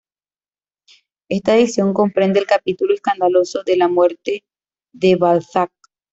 Esta edición comprende el capítulo escandaloso de "La Muerte de Balzac".